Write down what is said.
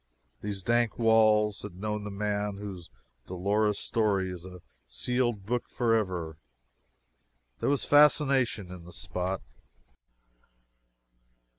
These dank walls had known the man whose dolorous story is a sealed book forever! There was fascination in the spot.